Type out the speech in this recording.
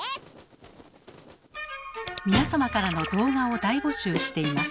皆様からの動画を大募集しています。